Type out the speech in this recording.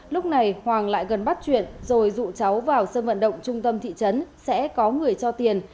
lúc này hoàng lại gần bắt chuyện rồi rủ cháu vào sân vận động trung tâm thị trấn sẽ có người cho tiền